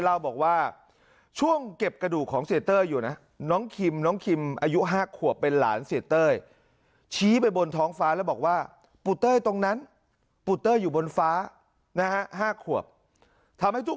เล่าบอกว่าช่วงเก็บกระดูกของเศรษฐ์เต้ยอยู่นะ